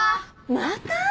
・また？